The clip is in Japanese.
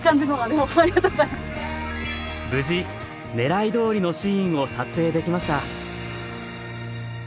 無事狙いどおりのシーンを撮影できました